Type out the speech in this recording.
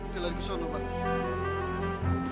di lari ke sana pak